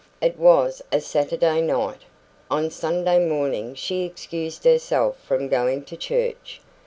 It was a Saturday night. On Sunday morning she excused herself from going to church.